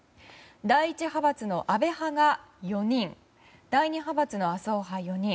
第１派閥の安倍派が４人第２派閥の麻生派、４人。